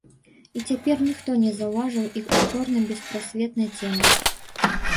І цяпер ніхто не заўважыў іх у чорнай беспрасветнай цемры.